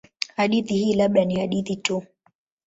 Hadithi hii labda ni hadithi tu.